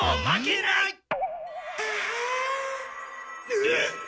うっ！